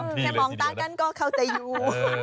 แค่มองตากันก็เข้าใจอยู่